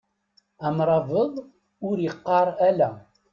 Amṛabeḍ ur iqqar ala.